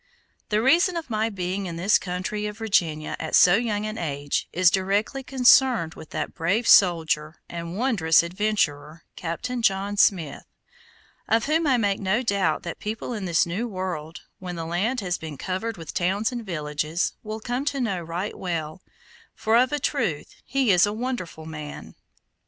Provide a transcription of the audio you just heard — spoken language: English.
The reason of my being in this country of Virginia at so young an age, is directly concerned with that brave soldier and wondrous adventurer, Captain John Smith, of whom I make no doubt the people in this new world, when the land has been covered with towns and villages, will come to know right well, for of a truth he is a wonderful man.